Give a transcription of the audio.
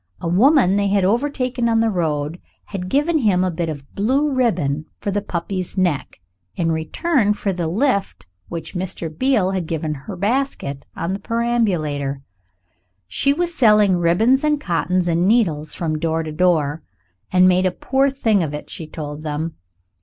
A woman they had overtaken on the road had given him a bit of blue ribbon for the puppy's neck, in return for the lift which Mr. Beale had given her basket on the perambulator. She was selling ribbons and cottons and needles from door to door, and made a poor thing of it, she told them.